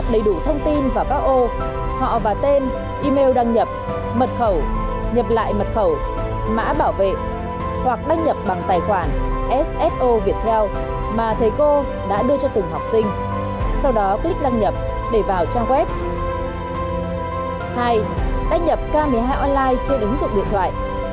bước hai tại màn hình đăng nhập điến tên tài khoản mật khẩu sso việt theo mà thầy cô đã đưa sau đó nhấn đăng nhập